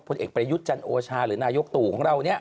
ผู้เอกเป็นยุทธ์จรรโอชาหนะหรือนายกตู่ของเรานี่